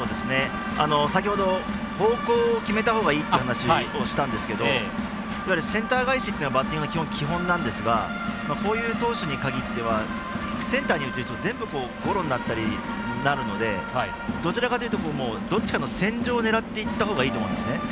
先ほど、方向を決めたほうがいいという話をしたんですけどいわゆるセンター返しというのはバッティング基本なんですがこういう投手に限ってはセンターに打つと全部、ゴロになったり、なるのでどちらかというと、どっちかの線上を狙っていったほうがいいんですよね。